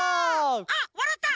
あっわらった！